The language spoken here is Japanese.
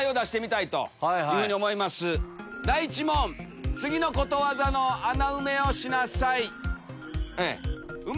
第１問次のことわざの穴埋めをしなさい。